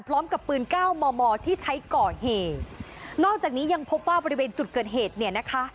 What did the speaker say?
พร้อมกับปืนเก้ามอมอที่ใช้ก่อเหตุนอกจากนี้ยังพบว่าบริเวณจุดเกิดเหตุเนี่ยนะคะ